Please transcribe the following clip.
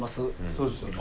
そうですよね。